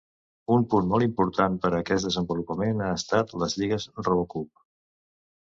Un punt molt important per a aquest desenvolupament han estat les lligues Robocup.